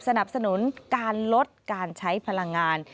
สนับสนุนการลดการใช้พลังงาน